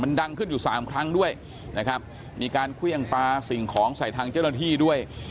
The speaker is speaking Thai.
ดังขึ้นอยู่สามครั้งด้วยนะครับมีการเครื่องปลาสิ่งของใส่ทางเจ้าหน้าที่ด้วย